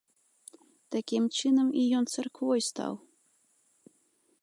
Такім чынам і ён царквой стаў!!!